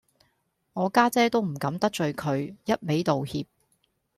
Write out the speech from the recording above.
我家姐都唔敢得罪佢，一味道歉